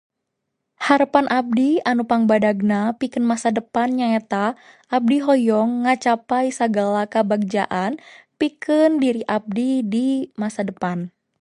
Harepan abdi anu pangbadagna pikeun masa depan nyaeta abdi hoyong ngacapai sagala kabagjaan pikeun diri abdi di masa depan.